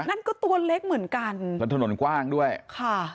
นั่นก็ตัวเล็กเหมือนกันแล้วถนนกว้างด้วยค่ะ